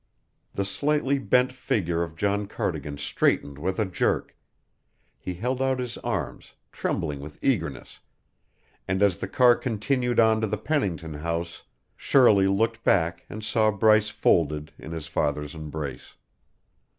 The slightly bent figure of John Cardigan straightened with a jerk; he held out his arms, trembling with eagerness, and as the car continued on to the Pennington house Shirley looked back and saw Bryce folded in his father's embrace.